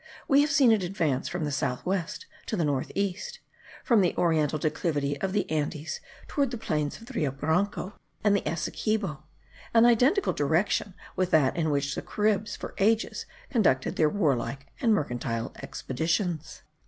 We have seen it advance from the south west to the north east, from the oriental declivity of the Andes towards the plains of Rio Branco and the Essequibo, an identical direction with that in which the Caribs for ages conducted their warlike and mercantile expeditions.